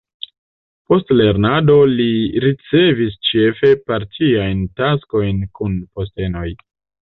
Post lernado li ricevis ĉefe partiajn taskojn kun postenoj.